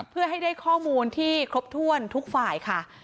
เพื่อให้ได้ข้อมูลที่ครบถ้วนทุกฝ่ายค่ะ